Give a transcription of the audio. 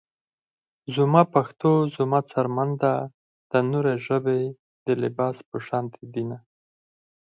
زما پښتو زما څرمن ده - دا نورې ژبې د لباس په شاندې دينه